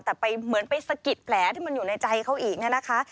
แต่ไปเหมือนไปสะกิดแผลที่มันอยู่ในใจเขาอีกเนี่ยนะคะ